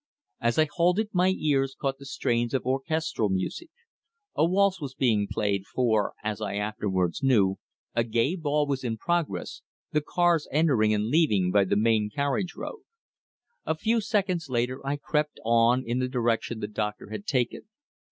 As I halted my ears caught the strains of orchestral music. A waltz was being played, for, as I afterwards knew, a gay ball was in progress, the cars entering and leaving by the main carriage road. A few seconds later I crept on in the direction the doctor had taken.